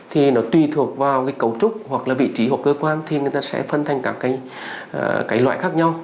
thì nó tùy thuộc vào cái cấu trúc hoặc là vị trí của cơ quan thì người ta sẽ phân thành các cái loại khác nhau